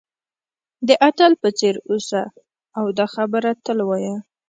د اتل په څېر اوسه او دا خبره تل وایه.